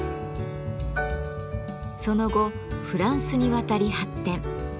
その後フランスに渡り発展。